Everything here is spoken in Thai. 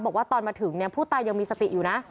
บอกว่าตอนมาถึงเนี่ยผู้ตายยังมีสติอยู่นะ